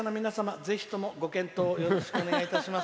ぜひともご検討をよろしくお願いいたします」。